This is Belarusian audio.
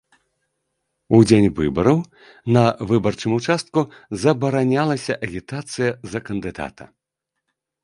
У дзень выбараў на выбарчым участку забаранялася агітацыя за кандыдата.